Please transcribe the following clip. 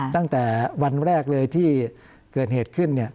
ตั้งแต่วันแรกเลยที่เกิดเหตุขึ้น